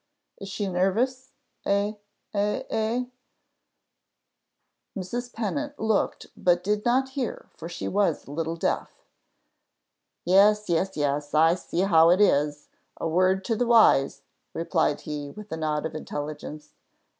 is she nervous, eh, eh, eh?" Mrs. Pennant looked, but did not hear, for she was a little deaf. "Yes, yes, yes; I see how it is. A word to the wise," replied he, with a nod of intelligence.